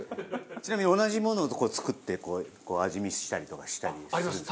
ちなみに同じものを作って味見したりとかしたり？あります。